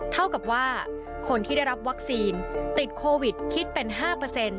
เท่ากับว่าคนที่ได้รับวัคซีนติดโควิดคิดเป็น๕